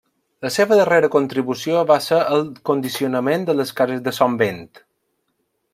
La seva darrera contribució va ser el condicionament de les cases de Son Vent.